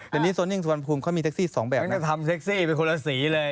เดี๋ยวนี้สวรรพูมเขามีเซ็กซี่สองแบบนะครับมันก็ทำเซ็กซี่ไปคนละสีเลย